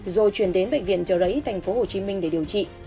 rồi chuyển đến bệnh viện trời lấy tp hcm để điều trị